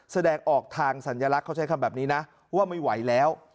แสดงออกทางสัญลักษณ์เขาใช้คำแบบนี้นะว่าไม่ไหวแล้ว